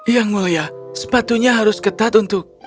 yang mulia sepatunya harus ketat untuk